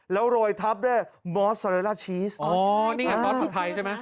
แล้วโรยทับด้วยมอสเตอเรล่าชีสอ๋อนี่ไงซอสผัดไทยใช่ไหม